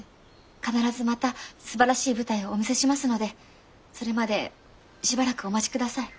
必ずまたすばらしい舞台をお見せしますのでそれまでしばらくお待ちください。